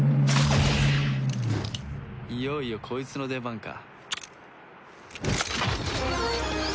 いよいよこいつの出番か。